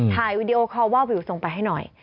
วีดีโอคอลว่าวิวส่งไปให้หน่อย